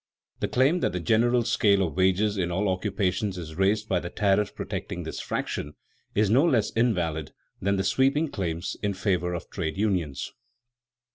The claim that the general scale of wages in all occupations is raised by the tariff protecting this fraction, is no less invalid than the sweeping claims in favor of trade unions.